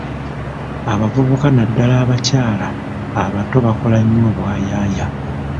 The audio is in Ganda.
Abavubuka naddala abakyala abato bakola nnyo obwa yaaya.